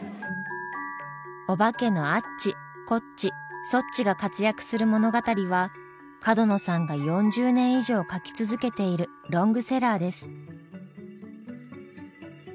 おばけのアッチコッチソッチが活躍する物語は角野さんが４０年以上書き続けているロングセラーです。